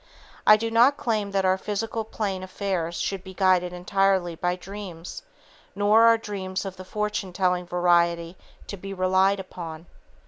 I do not claim that our physical plane affairs should be guided entirely by dreams, nor are dreams of the fortune telling variety to be relied upon.